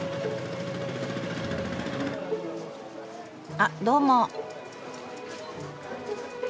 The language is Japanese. あっどうも。